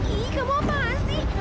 ih kamu apaan sih